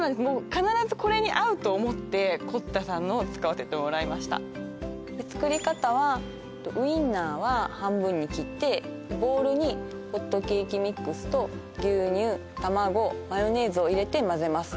必ずこれに合うと思ってｃｏｔｔａさんのを使わせてもらいました作り方はウインナーは半分に切ってボウルにホットケーキミックスと牛乳卵マヨネーズを入れてまぜます